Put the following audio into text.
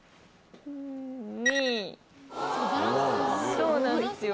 そうなんですよ。